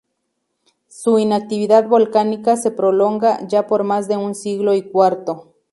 Su inactividad volcánica se prolonga ya por más de un siglo y cuarto.